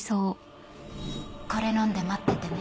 これ飲んで待っててね